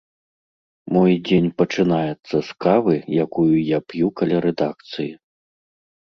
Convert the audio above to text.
Мой дзень пачынаецца з кавы, якую я п'ю каля рэдакцыі.